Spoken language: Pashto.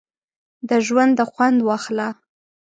د ژونده خوند واخله!